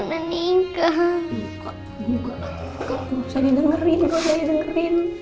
enggak enggak enggak enggak enggak bisa didengerin kok tidak didengerin